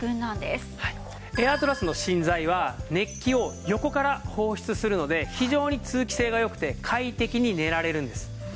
エアトラスの芯材は熱気を横から放出するので非常に通気性が良くて快適に寝られるんです。